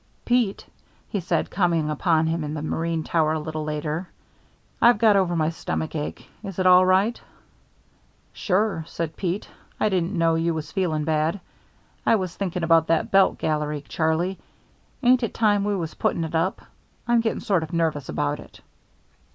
"Pete," he said, coming upon him in the marine tower a little later, "I've got over my stomach ache. Is it all right?" "Sure," said Pete; "I didn't know you was feeling bad. I was thinking about that belt gallery, Charlie. Ain't it time we was putting it up? I'm getting sort of nervous about it."